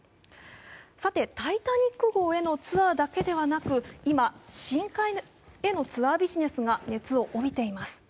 さて「タイタニック」号へのツアーだけでなく、今、深海へのツアービジネスが熱を帯びています。